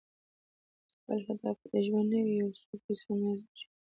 بل هدف یې د ژوند نه وي په یو څو پیسو نازیږي